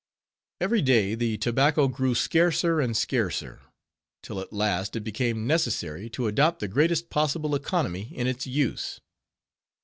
_ Every day the tobacco grew scarcer and scarcer; till at last it became necessary to adopt the greatest possible economy in its use.